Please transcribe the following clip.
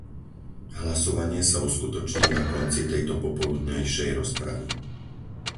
Hlasovanie sa uskutoční na konci tejto popoludňajšej rozpravy.